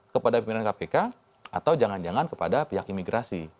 kepada pimpinan kpk atau jangan jangan kepada pihak imigrasi